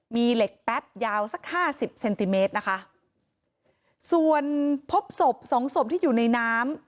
มีเหล็กแป๊บยาวสักห้าสิบเซนติเมตรนะคะส่วนพบศพสองศพที่อยู่ในน้ำ